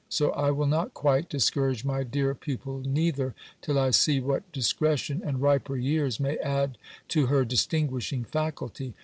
So I will not quite discourage my dear pupil neither, till I see what discretion, and riper years, may add to her distinguishing faculty.